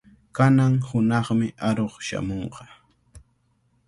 Kanan hunaqmi aruq shamunqa.